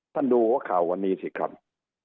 ดูหัวข่าววันนี้สิครับ